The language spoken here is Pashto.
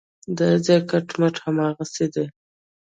دا ځای کټ مټ هماغسې دی.